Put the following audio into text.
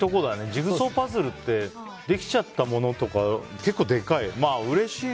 ジグソーパズルってできちゃったものとか結構でかい。